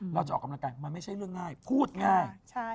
เราจะออกกำลังกายมันไม่ใช่เรื่องง่ายพูดง่าย